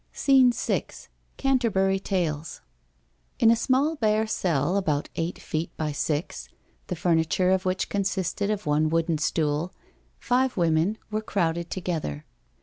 SCENE VI CANTERBURY TALES In a small bare cell about eight feet by six, the furniture of which consisted of one wooden stool, five women were crowded together.